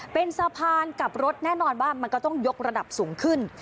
เป็นสะพานกับรถแน่นอนว่ามันก็ต้องยกระดับสูงขึ้น